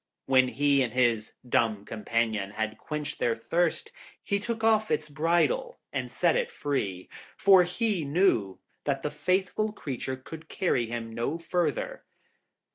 When he and his dumb companion had quenched their thirst, he took off its bridle and set it free, for he knew that the faithful creature could carry him no further.